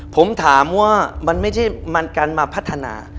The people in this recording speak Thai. ผมถามว่ามันไม่ใช่มันการมาพัฒนา